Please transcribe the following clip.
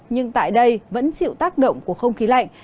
nhưng tại đây vẫn chịu tác động của không khí lạnh